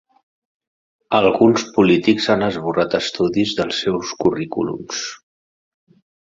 Alguns polítics han esborrat estudis dels seus currículums